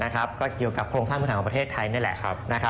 ก็เกี่ยวกับโครงสร้างพื้นฐานของประเทศไทยนี่แหละ